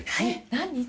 何？